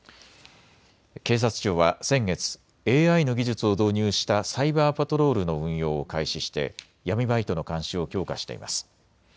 警察庁は先月、ＡＩの技術を導入したサイバーパトロールの運用を開始して闇バイトの監視を強化しています。